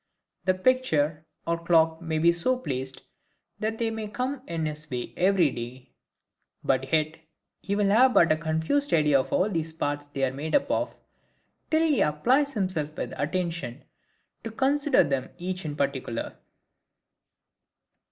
The picture, or clock may be so placed, that they may come in his way every day; but yet he will have but a confused idea of all the parts they are made up of, till he applies himself with attention, to consider them each in particular.